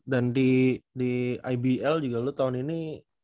dan di ibl juga lu tahun ini